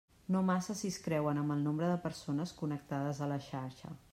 No massa si es creuen amb el nombre de persones connectades a la xarxa.